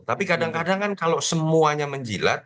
tapi kadang kadang kan kalau semuanya menjilat